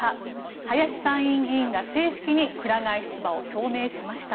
林参院議員が正式にくら替え出馬を表明しました。